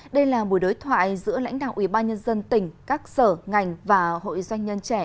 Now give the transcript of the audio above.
đây là buổi đối thoại giữa lãnh đạo ubnd tỉnh các sở ngành và hội doanh nhân trẻ